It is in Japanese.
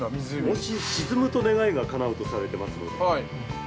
◆もし沈むと、願いがかなうとされてますので。